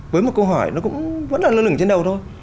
câu hỏi nó cũng vẫn là lưng lửng trên đầu thôi